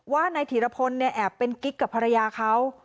ว่านายถีรพลเนี่ยแอบเป็นกิ๊กกับภรรยาเขา